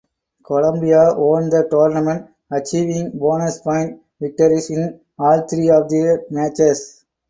Columbia won the tournament achieving bonus point victories in all three of their matches.